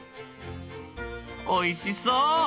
おいしそう！